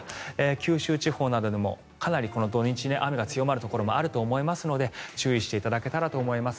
九州地方などでもかなりこの土日雨が強まるところもあると思いますので注意していただけたらと思います。